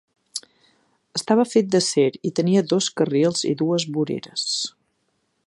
Estava fet d'acer i tenia dos carrils i dues voreres.